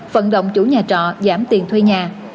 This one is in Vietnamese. phận động chủ nhà trọ giảm tiền thuê nhà